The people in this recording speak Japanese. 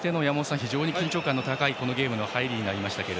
非常に緊張感の高いゲームの入りになりました。